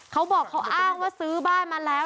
เขาบอกเขาอ้างว่าซื้อบ้านมาแล้ว